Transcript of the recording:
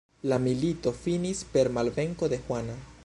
La milito finis per malvenko de Juana.